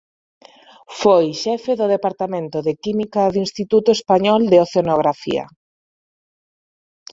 Foi xefe do Departamento de Química do Instituto Español de Oceanografía.